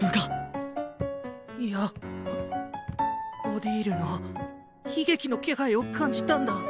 オディールの悲劇の気配を感じたんだ